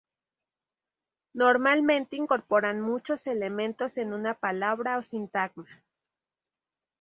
Normalmente incorporan muchos elementos en una palabra o sintagma.